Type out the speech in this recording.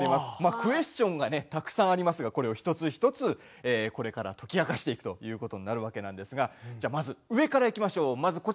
クエスチョンがたくさんありますがこれを一つ一つ、これから解き明かしていくということになるわけなんですがまず上からいきましょう。